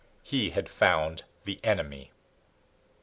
He had found the enemy.